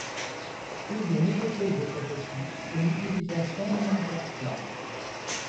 Une des nouveautés de cet opus est l'utilisation d'un arrière-plan.